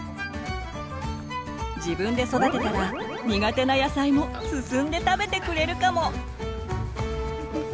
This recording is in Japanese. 自分で育てたら苦手な野菜も進んで食べてくれるかも！